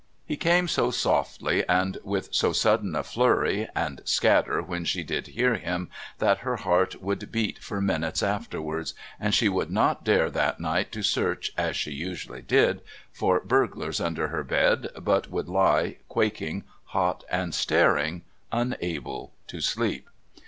He came so softly and with so sudden a flurry and scatter when she did hear him that her heart would beat for minutes afterwards, and she would not dare that night to search, as she usually did, for burglars under her bed, but would lie, quaking, hot and staring, unable to sleep.